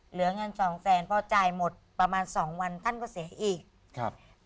เหลือเงินสองแสนพอจ่ายหมดประมาณสองวันท่านก็เสียอีกครับ